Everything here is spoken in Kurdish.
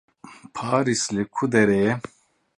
Parîs li ku derê ye?